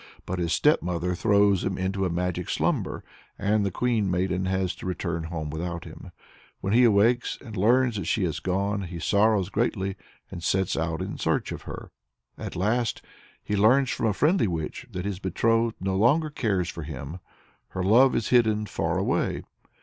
But his stepmother throws him into a magic slumber, and the Queen Maiden has to return home without him. When he awakes, and learns that she has gone, he sorrows greatly, and sets out in search of her. At last he learns from a friendly witch that his betrothed no longer cares for him, "her love is hidden far away."